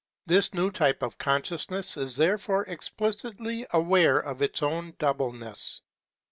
This new Type of Consciousness is therefore explicitly aware of its own doubleness.